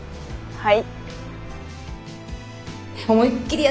はい。